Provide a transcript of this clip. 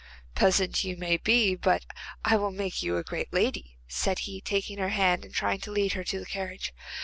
'Peasant you may be, but I will make you a great lady,' said he, taking her hand and trying to lead her to the carriage.